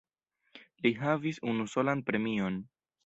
Li havis unusolan premion.